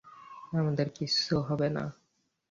আমাদের কিচ্ছু হবে না।